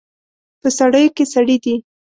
په سړیو کې سړي دي